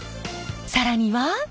更には。